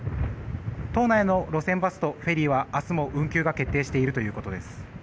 島内の路線バスとフェリーは明日の運休が決定しているということです。